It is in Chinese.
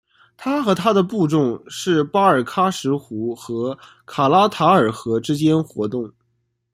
他和他的部众是巴尔喀什湖和卡拉塔尔河之间活动。